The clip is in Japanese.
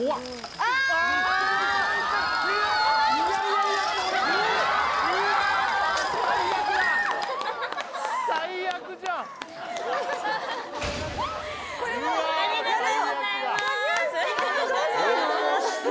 ありがとうございます。